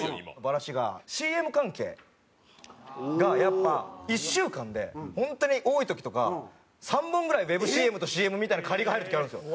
ＣＭ関係がやっぱ１週間で本当に多い時とか３本ぐらいウェブＣＭとＣＭみたいなが入る時あるんですよ。